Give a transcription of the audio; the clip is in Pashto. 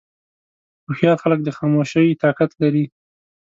هوښیار خلک د خاموشۍ طاقت لري.